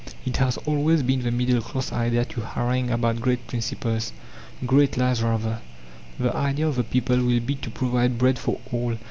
It has always been the middle class idea to harangue about "great principles" great lies rather! The idea of the people will be to provide bread for all.